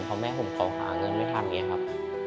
เพราะให้ผมขอหาเงินไปทำเนี่ยครับ